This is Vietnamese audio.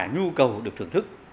nhu cầu được thưởng thức